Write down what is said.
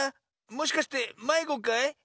もしかしてまいごかい？